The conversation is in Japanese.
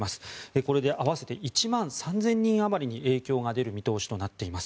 これで合わせて１万３０００人あまりに影響が出る見通しとなっています。